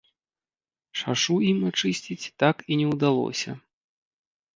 Шашу ім ачысціць так і не ўдалося.